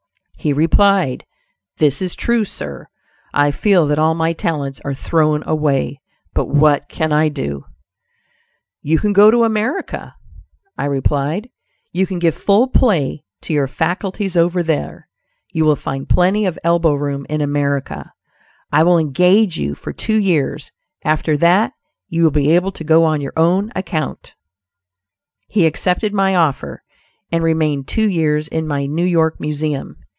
He replied, "This is true, sir; I feel that all my talents are thrown away; but what can I do?" "You can go to America," I replied. "You can give full play to your faculties over there; you will find plenty of elbowroom in America; I will engage you for two years; after that you will be able to go on your own account." He accepted my offer and remained two years in my New York Museum.